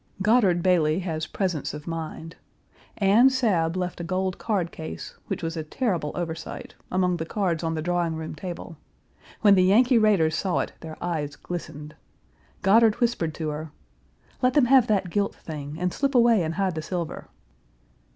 Godard Bailey has presence of mind. Anne Sabb left a gold card case, which was a terrible oversight, among the cards on the drawing room table. When the Yankee raiders saw it their eyes glistened. Godard whispered to her: "Let them have that gilt thing and slip away and hide the silver."